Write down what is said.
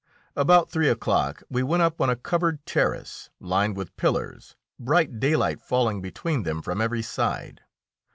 About three o'clock we went up on a covered terrace lined with pillars, bright daylight falling between them from every side.